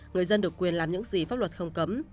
người dân được quyền làm những gì pháp luật không cấm